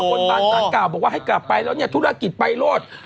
โอ้โหบอกว่าให้กลับไปแล้วเนี่ยธุรกิจไปโลศ